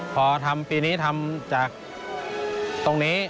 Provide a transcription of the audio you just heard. พอทำปีนี้ทำจากตรงนี้